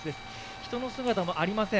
人の姿もありません